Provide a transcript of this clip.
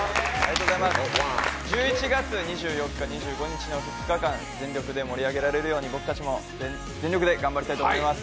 １１月２４日、２５日の２日間、全力で盛り上げられるように僕たちも全力で頑張りたいと思います。